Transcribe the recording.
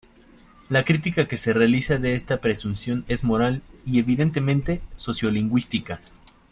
La crítica que se realiza de esta presunción es moral y, evidentemente, sociolingüística.